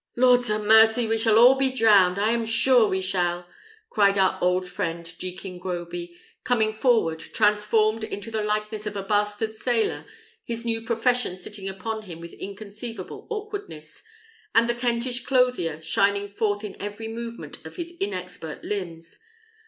"Lord 'a mercy! we shall all be drowned; I am sure we shall!" cried our old friend Jekin Groby, coming forward, transformed into the likeness of a bastard sailor, his new profession sitting upon him with inconceivable awkwardness, and the Kentish clothier shining forth in every movement of his inexpert limbs.